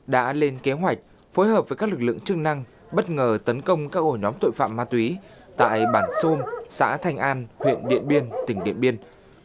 đã lên kế hoạch phối hợp với các lực lượng chức năng bất ngờ tấn công các ổ nhóm tội phạm ma túy tại bản sôm xã thanh an huyện điện biên tỉnh điện biên